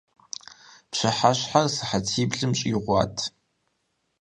Пщыхьэщхьэр сыхьэтиблым щӀигъуат.